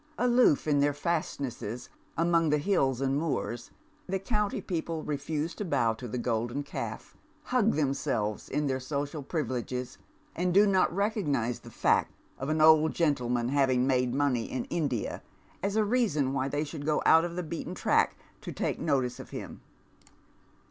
Aloof in their fastnesses among the hills and moors, the county people refuse to bow to the golden <!alf, hug themselves in their social privileges, and do not recog "jise the fact of an old gentleman having made money in India . js a reason why they should go out of the beaten track to take notice of him.